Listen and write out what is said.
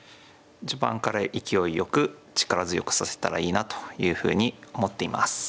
序盤から勢いよく力強く指せたらいいなというふうに思っています。